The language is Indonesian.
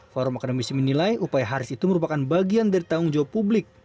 forum akademisi menilai upaya haris itu merupakan bagian dari tanggung jawab publik